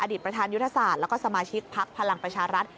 ประธานยุทธศาสตร์แล้วก็สมาชิกพักพลังประชารัฐ